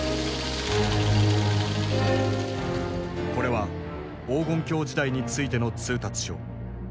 これは「黄金狂時代」についての通達書。